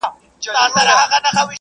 دې فتوا د ولس روحیه نوره هم پیاوړې کړه.